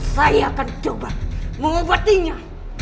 saya akan coba mengobatinya